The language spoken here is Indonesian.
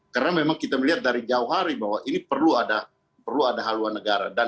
karena memang kita melihat dari jauh hari bahwa ini perlu ada haluan negara